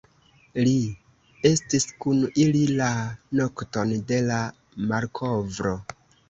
Li estis kun ili la nokton de la malkovro.